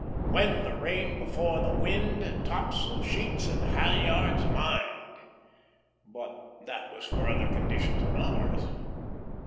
"When the rain before the wind, Topsail sheets and halyards mind;" but that was for other conditions than ours.